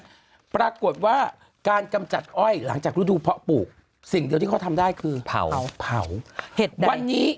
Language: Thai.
นี่ปรากฏว่าการกำจัดอ้อยหลังจากฤดูพอปลูกสิ่งโดยที่ความได้คือเผ่าเผ่าเผ่าเกษดวันนี้